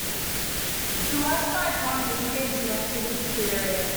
The worksite brought an increase in activity to the area.